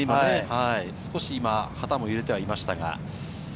少し旗も揺れていました。